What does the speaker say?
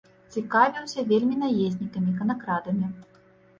Цікавіўся вельмі наезнікамі, канакрадамі.